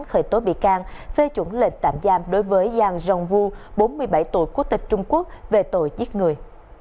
khởi tố bị can phê chuẩn lệnh tạm giam đối với giang rồng vu bốn mươi bảy tuổi quốc tịch trung quốc về tội giết người